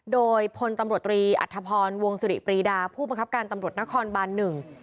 โดยพลตำรวจตรีอัธพรวงสุริปรีดาผู้บังคับการตำรวจนครบานหนึ่ง